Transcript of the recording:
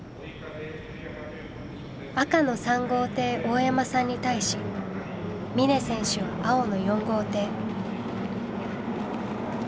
赤の３号艇大山さんに対し峰選手は青の４号艇。